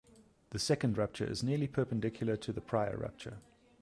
The second rupture is nearly perpendicular to the prior rupture.